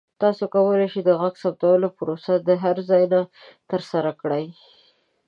تاسو کولی شئ د غږ ثبتولو پروسه د هر ځای نه ترسره کړئ.